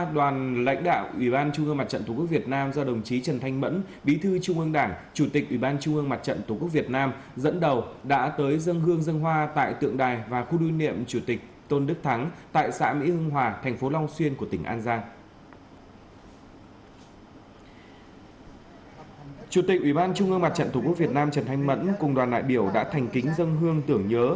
đoàn trung ương mặt trận thủ quốc việt nam trần thanh mẫn cùng đoàn đại biểu đã thành kính dân hương tưởng nhớ